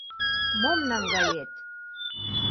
Мом наҥгает?